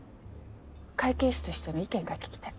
会計士としての意見が聞きたい。